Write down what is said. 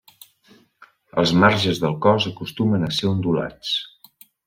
Els marges del cos acostumen a ser ondulats.